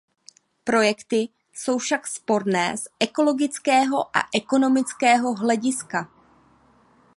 Projekty jsou však sporné z ekologického a ekonomického hlediska.